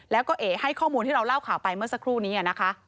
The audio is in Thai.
แล้วก็เอ๋ให้ข้อมูลที่เราเล่าข่าวไปเมื่อสักครู่นี้นะคะ